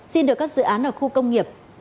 xin được các dự án ở khu công nghiệp